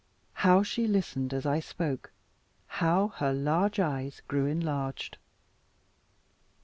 How she listened as I spoke, how her large eyes grew enlarged.